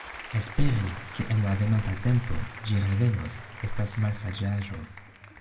Esperi, ke en la venonta tempo ĝi revenos, estas malsaĝaĵo.